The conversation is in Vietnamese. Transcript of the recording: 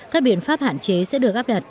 các biện pháp hạn chế sẽ được áp đặt